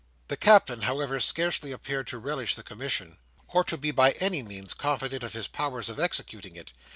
The Captain, however, scarcely appeared to relish the commission, or to be by any means confident of his powers of executing it.